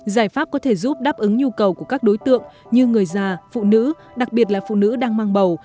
giải pháp có thể giúp đáp ứng nhu cầu của các đối tượng như người già phụ nữ đặc biệt là phụ nữ đang mang bầu